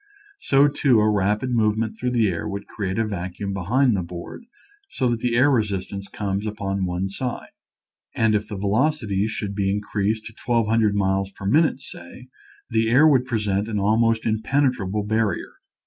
So, too, a rapid movement through the air would create a vacuum behind the board so that the air resistance comes upon one side. And if the velocity should be in creased to 1,200 miles per minute, say, the air would present an almost impenetrable barrier.